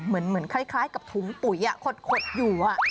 เหมือนคล้ายกับถุงปุ๋ยขดอยู่